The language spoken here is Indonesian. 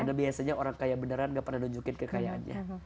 karena biasanya orang kaya beneran gak pernah nunjukin kekayaannya